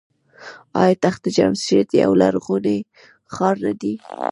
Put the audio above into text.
آیا تخت جمشید یو لرغونی ښار نه دی؟